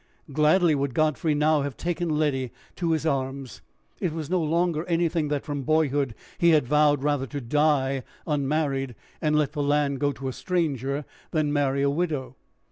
Gladly would Godfrey now have taken Letty to his arms. It was no longer anything that from boyhood he had vowed rather to die unmarried, and let the land go to a stranger, than marry a widow.